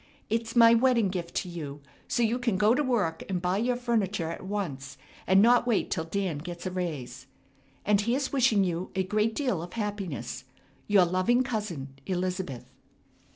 It's my wedding gift to you, so you can go to work and buy your furniture at once, and not wait till Dan gets a raise. And here's wishing you a great deal of happiness, "Your loving cousin, ELIZABETH."